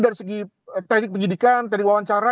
dari segi teknik penyidikan tadi wawancara